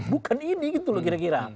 bukan ini gitu loh kira kira